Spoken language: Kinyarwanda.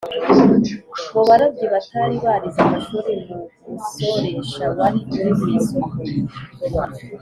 mu barobyi batari barize amashuri, mu musoresha wari uri mu isoko